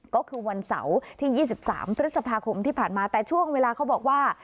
ก็คือวันเสาร์ที่๒๓พฤษภาคมที่ผ่านมาแต่ช่วงเวลาเขาบอกว่า